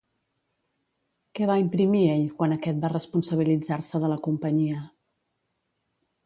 Què va imprimir ell quan aquest va responsabilitzar-se de la companyia?